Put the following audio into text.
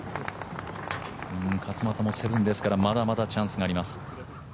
勝俣も７ですから、まだまだチャンスがあります。